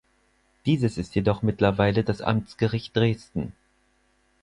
Dieses ist jedoch mittlerweile das Amtsgericht Dresden.